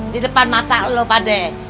di depan mata lo padeh